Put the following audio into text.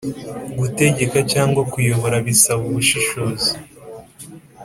gutegeka cyangwa kuyobora bisaba ubushishozi